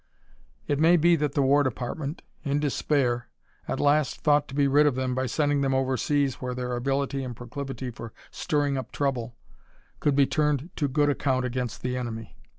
It may be that the War Department, in despair, at last thought to be rid of them by sending them overseas where their ability and proclivity for stirring up trouble could be turned to good account against the enemy.